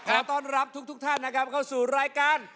ต้อนรับทุกท่านนะครับเข้าสู่รายการ